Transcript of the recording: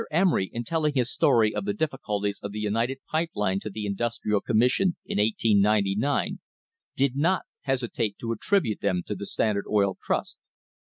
Emery, in telling his story of the difficulties of the United Pipe Line to the Industrial Commission in 1899, did not hesitate to attribute them to the Standard Oil Trust.